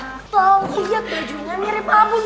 liat bajunya mirip abun